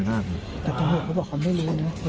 แต่เขาบอกเขาไม่รู้นะ